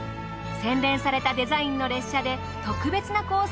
洗練されたデザインの列車で特別なコース